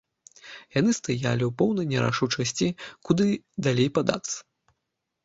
Яны стаялі ў поўнай нерашучасці, куды далей падацца.